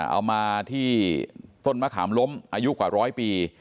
เอามาที่ต้นมะขามล้มอายุกว่าร้อยปี